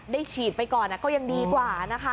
ฉีดไปก่อนก็ยังดีกว่านะคะ